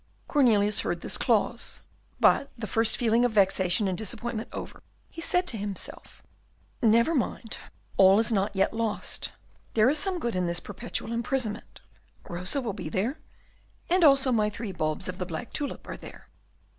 Cornelius heard this clause, but, the first feeling of vexation and disappointment over, he said to himself, "Never mind, all this is not lost yet; there is some good in this perpetual imprisonment; Rosa will be there, and also my three bulbs of the black tulip are there."